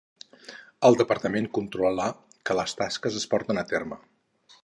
El departament controla que les tasques es porten a terme.